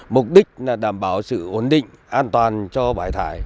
mục đích đảm bảo sự ổn định an toàn cho bãi thải